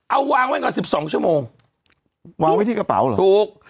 เอาวางไว้ก่อน๑๒ชั่วโมงวางไว้ที่กระเป๋าเหรอถูก